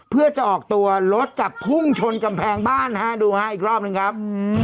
เพื่อจะออกตัวรถกลับพุ่งชนกำแพงบ้านฮะดูฮะอีกรอบหนึ่งครับ